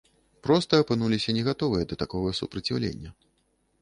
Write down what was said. Проста апынуліся не гатовыя да такога супраціўлення.